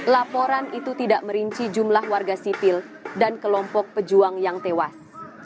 laporan itu tidak merinci jumlah warga sipil dan kelompok pejuang yang tewas